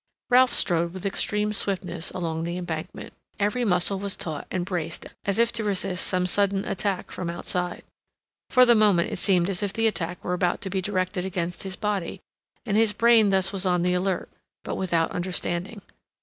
Ralph strode with extreme swiftness along the Embankment. Every muscle was taut and braced as if to resist some sudden attack from outside. For the moment it seemed as if the attack were about to be directed against his body, and his brain thus was on the alert, but without understanding.